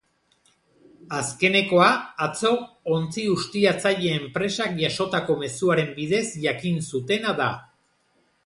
Azkenekoa atzo ontzi-ustiatzaile enpresak jasotako mezuaren bidez jakin zutena da.